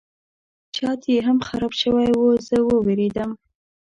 چت یې هم خراب شوی و زه وویرېدم.